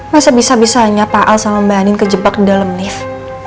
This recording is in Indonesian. masa bisanya pak al sama mbak anin kejebak di dalam lift